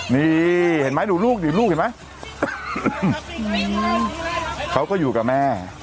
นี่เห็นไหมดูลูกดิลูกเห็นไหมเขาก็อยู่กับแม่